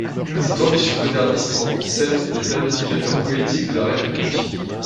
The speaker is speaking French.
Cette ambition moderniste rencontre celle des planificateurs politiques de la République.